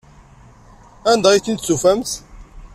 Anda ay tent-id-tufamt?